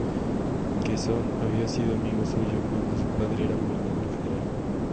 Quezón había sido amigo suyo cuando su padre era gobernador general.